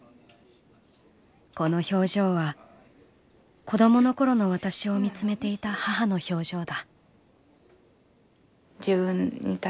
この表情は子供の頃の私を見つめていた母の表情だ」。